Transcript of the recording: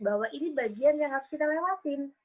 bahwa ini bagian yang harus kita lewatin